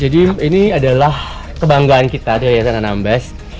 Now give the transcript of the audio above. ini adalah kebanggaan kita di yayasan anambas